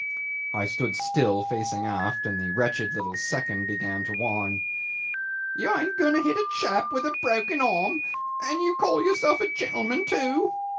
I stood still facing aft, and the wretched little second began to whine, 'You ain't going to hit a chap with a broken arm and you call yourself a gentleman, too.